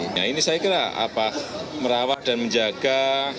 nah ini saya kira merawat dan menjaga